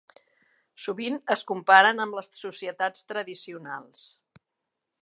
Sovint es comparen amb les societats tradicionals.